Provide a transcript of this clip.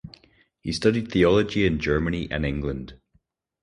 He studied theology in Germany and England.